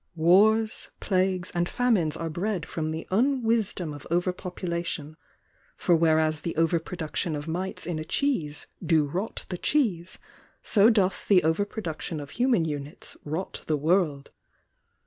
Wars plagues and f amhTes^re bred from the unwisdom of over popula. tion for whereas the over production of mites in a cheese do rot the cheese, so doth the over production of h^an units rot the world.